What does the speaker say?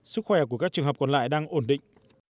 sức khỏe của các trường hợp còn lại đang ổn định